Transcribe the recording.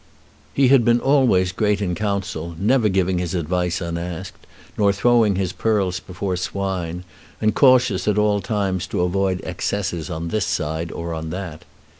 He had been always great in council, never giving his advice unasked, nor throwing his pearls before swine, and cautious at all times to avoid excesses on this side or on that.